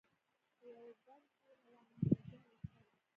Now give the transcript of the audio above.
په یوه بند کې یې ملا محمد جان اخوند.